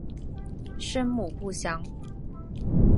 生母不详。